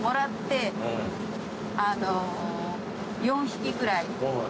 ４匹ぐらい。